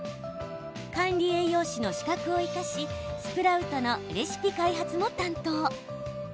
管理栄養士の資格を生かしスプラウトのレシピ開発も担当。